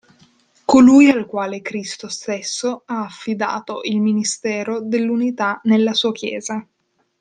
Colui al quale Cristo stesso ha affidato il ministero dell'unità nella sua Chiesa.